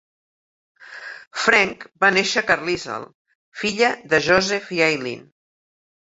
French va néixer a Carlisle, filla de Joseph i Eileen.